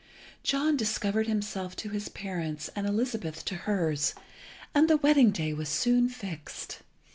John discovered himself to his parents, and Elizabeth to hers; and the wedding day was soon fixed.